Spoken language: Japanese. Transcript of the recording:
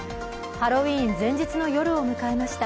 ハロウィーン前日の夜を迎えました。